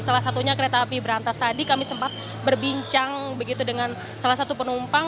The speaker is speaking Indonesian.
salah satunya kereta api berantas tadi kami sempat berbincang begitu dengan salah satu penumpang